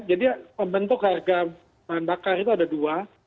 jadi pembentuk harga bahan bakar itu ada dua